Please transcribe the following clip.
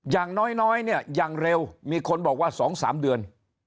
อย่างน้อยเนี่ยอย่างเร็วมีคนบอกว่า๒๓เดือน